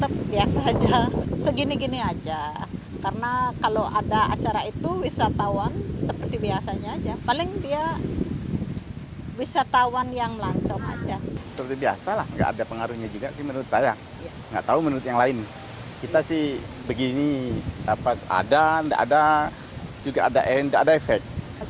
pertanyaan dari pemerintah pantai sanur denpasar